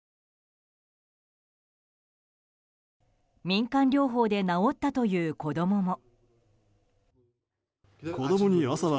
民間療法で治ったという子供も。